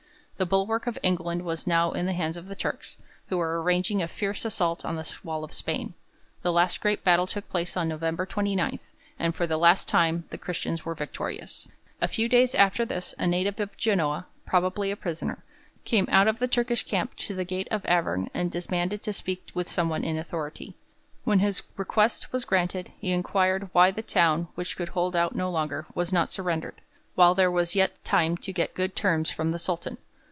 The bulwark of England was now in the hands of the Turks, who were arranging a fierce assault on the wall of Spain. The last great battle took place on November 29, and for the last time the Christians were victorious. A few days after this a native of Genoa probably a prisoner came out of the Turkish camp to the gate of Auvergne and demanded to speak with someone in authority. When his request was granted, he inquired why the town, which could hold out no longer, was not surrendered, while there was yet time to get good terms from the Sultan.